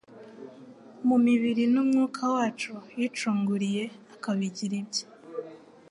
mu mibiri n’umwuka wacu yicunguriye akabigira ibye.